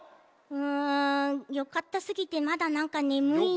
うんよかったすぎてまだなんかねむいな。